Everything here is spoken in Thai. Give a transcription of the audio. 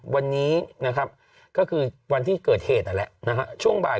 วันนี้นะครับก็คือวันที่เกิดเหตุนั่นแหละนะฮะช่วงบ่าย